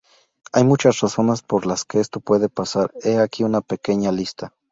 Hay muchas razones por las que esto puede pasar, he aquí una pequeña lista.